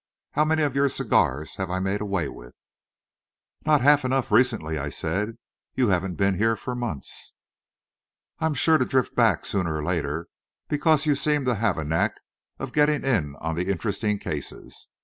How many of your cigars have I made away with?" "Not half enough recently," I said. "You haven't been here for months." "I'm sure to drift back, sooner or later, because you seem to have a knack of getting in on the interesting cases.